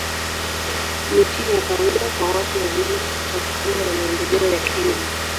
Ni chini ya kawaida kwa watu wazima, kutokana na maendeleo ya kinga.